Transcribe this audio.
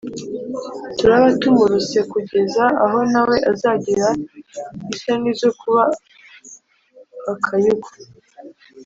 Turaba tumuruse ku geza aho nawe azagira isoni zo kuba akayuku.